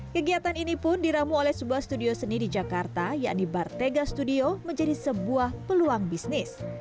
kegiatan ini pun diramu oleh sebuah studio seni di jakarta yakni bartega studio menjadi sebuah peluang bisnis